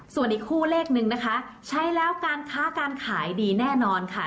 ส่วนอีกคู่เลขนึงนะคะใช้แล้วการค้าการขายดีแน่นอนค่ะ